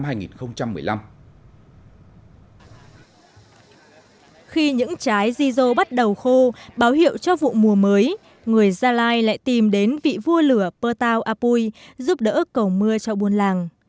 khi những trái di dô bắt đầu khô báo hiệu cho vụ mùa mới người gia lai lại tìm đến vị vua lửa patao apui giúp đỡ cầu mưa cho buôn làng